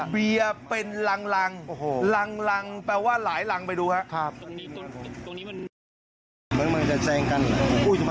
เบียร์เป็นรังรังแปลว่าหลายรังไปดูครับ